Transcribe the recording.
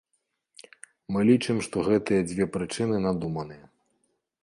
Мы лічым, што гэтыя дзве прычыны надуманыя.